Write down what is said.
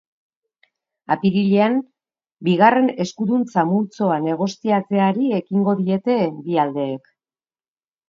Apirilean, bigarren eskuduntza multzoa negoziatzeari ekingo diete bi aldeek.